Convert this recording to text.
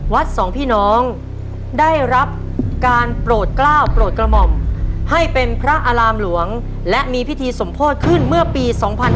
สองพี่น้องได้รับการโปรดกล้าวโปรดกระหม่อมให้เป็นพระอารามหลวงและมีพิธีสมโพธิขึ้นเมื่อปี๒๕๕๙